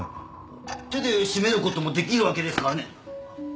手で絞める事も出来るわけですからね。